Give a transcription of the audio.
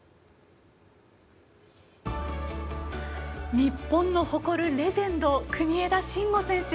日本の誇るレジェンド国枝慎吾選手。